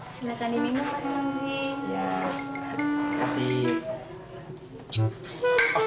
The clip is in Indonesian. silahkan diminum mas ramzi